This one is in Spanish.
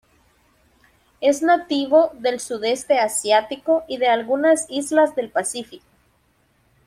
Es nativo del Sudeste Asiático y de algunas islas del Pacífico.